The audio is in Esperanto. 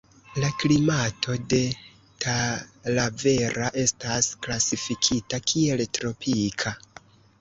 La klimato de Talavera estas klasifikita kiel tropika.